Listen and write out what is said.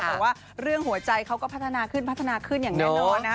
แต่ว่าเรื่องหัวใจเขาก็พัฒนาขึ้นพัฒนาขึ้นอย่างแน่นอนนะคะ